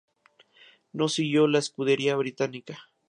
No siguió con la escudería británica.